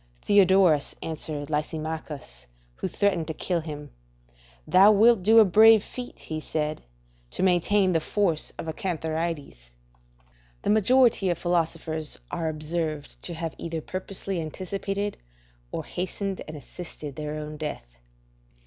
Theodorus answered Lysimachus, who threatened to kill him, "Thou wilt do a brave feat," said he, "to attain the force of a cantharides." The majority of philosophers are observed to have either purposely anticipated, or hastened and assisted their own death.